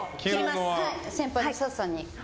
先輩のサトさんに。